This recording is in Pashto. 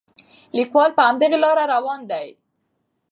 لیکوال په همدې لاره روان دی.